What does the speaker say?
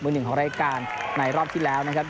หนึ่งของรายการในรอบที่แล้วนะครับ